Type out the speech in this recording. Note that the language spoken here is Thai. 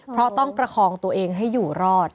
เพราะต้องประคองตัวเองให้อยู่รอด